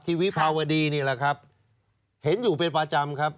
วิภาวดีนี่แหละครับเห็นอยู่เป็นประจำครับ